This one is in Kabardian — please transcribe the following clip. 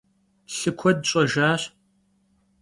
Lhı kued ş'ejjaş